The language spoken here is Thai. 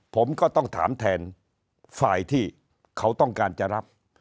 ผมก็ต้องถามแทนฝ่ายที่เขาต้องการจะรับ